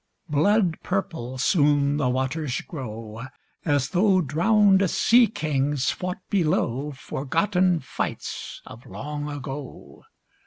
Blood purple soon the waters grow, As though drowned sea kings fought below Forgotten fights of long ago.